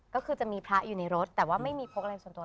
ก็คือจะมีพระอยู่ในรถแต่ว่าไม่มีพกอะไรส่วนตัว